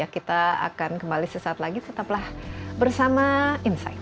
kita akan kembali sesaat lagi tetaplah bersama insight